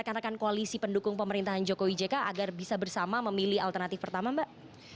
apakah anda menggunakan visi pendukung pemerintahan joko widjeka agar bisa bersama memilih alternatif pertama mbak